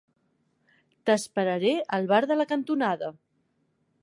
T'esperaré al bar de la cantonada.